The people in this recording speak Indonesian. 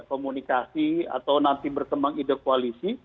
komunikasi atau nanti berkembang ide koalisi